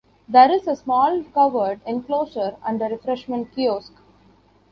There is a small covered enclosure and a refreshment kiosk.